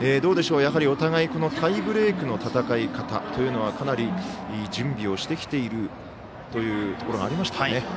やはりお互いタイブレークの戦い方はかなり準備をしてきているというところがありましたかね。